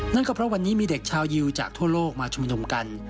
นั่นก็เพราะวันนี้มีเด็กชาวยิวจากทั่วโลกมาชุมนุมกัน